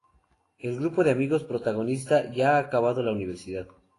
El grupo de amigos protagonista ya ha acabado la universidad.